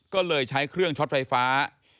ก็เลยใช้เครื่องช็อตไฟฟ้า